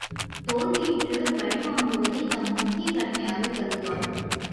தோல்வியுற்றவர் பழி வாங்குதைத் தம் முக்கிய கடமையாகக் கருதுவார்.